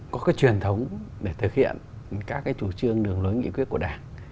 có cái truyền thống để thực hiện các cái chủ trương đường lối nghị quyết của đảng